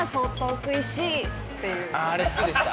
ああれ好きでした？